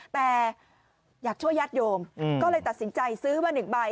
แต่อยากช่วยญาติโยมก็เลยตัดสินใจซื้อมา๑ใบ